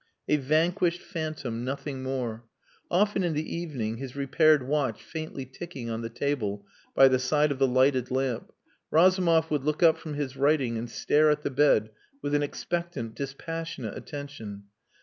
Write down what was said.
A vanquished phantom nothing more. Often in the evening, his repaired watch faintly ticking on the table by the side of the lighted lamp, Razumov would look up from his writing and stare at the bed with an expectant, dispassionate attention.